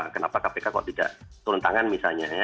kenapa kpk kok tidak turun tangan misalnya ya